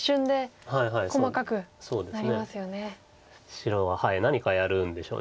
白は何かやるんでしょう。